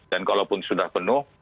dan kalaupun sudah penuh